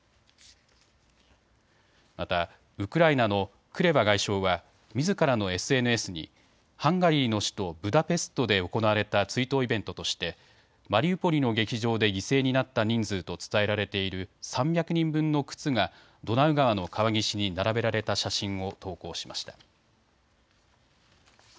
また、ウクライナのクレバ外相はみずからのＳＮＳにハンガリーの首都ブダペストで行われた追悼イベントとしてマリウポリの劇場で犠牲になった人数と伝えられている３００人分の靴がドナウ川の川岸に並べられた写真を投稿しました。